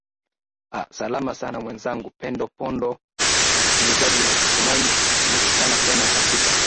aa salama sana mwenzangu pendo pondo msikilizaji natumai tumekutana tena katika